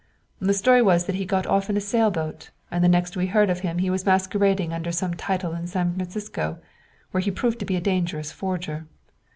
The story was that he got off in a sail boat; and the next we heard of him he was masquerading under some title in San Francisco, where he proved to be a dangerous forger.